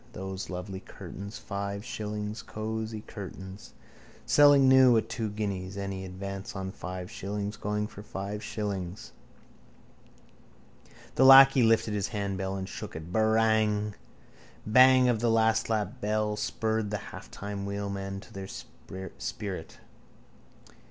Those lovely curtains. Five shillings. Cosy curtains. Selling new at two guineas. Any advance on five shillings? Going for five shillings. The lacquey lifted his handbell and shook it: —Barang! Bang of the lastlap bell spurred the halfmile wheelmen to their sprint.